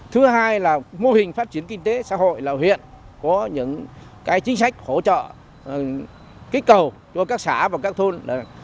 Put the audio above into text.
thứ hai là mô hình phát triển kinh tế xã hội là huyện có những cái chính sách hỗ trợ kích cầu cho các xã và các thôn năm mươi năm mươi